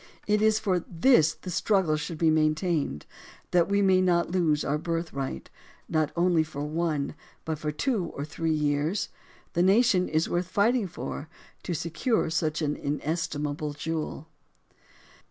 It is for this the struggle should be maintained, that we may not lose our birthright — not only for one, but for two or three years. The nation is worth fighting for, to secure such an inestimable jewel.